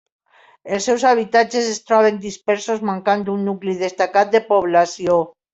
Els seus habitatges es troben dispersos, mancant d'un nucli destacat de població.